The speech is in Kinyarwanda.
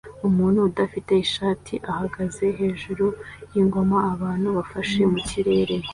Umuntu udafite ishati ahagaze hejuru yingoma abantu bafashe mukirere